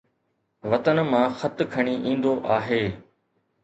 وطن مان خط کڻي ايندو آهي